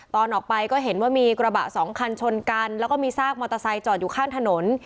ตอนออกไปก็เห็นว่ามีกระบะสองคันชนกันแล้วก็มีซากมอเตอร์ไซค์จอดอยู่ข้างถนน